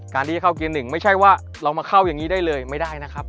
การที่จะเข้าเกณฑ์๑ไม่ใช่ว่าเรามาเข้าอย่างนี้ได้เลยไม่ได้นะครับ